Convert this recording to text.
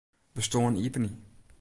Bestân iepenje.